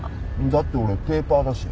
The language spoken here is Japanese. だって俺ペーパーだし。